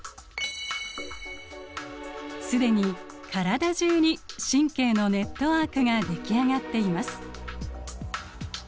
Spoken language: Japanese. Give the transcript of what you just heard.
既に体中に神経のネットワークが出来上がっています。